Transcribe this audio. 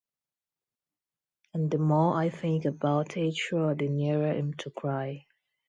And the more I think about it sure the nearer I'm to cry.